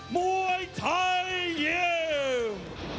มวยไทยเยี่ยม